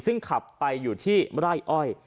ซึ่งขับไปอยู่ที่ไร่อ้อย